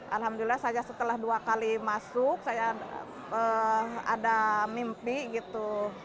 alhamdulillah saya setelah dua kali masuk saya ada mimpi gitu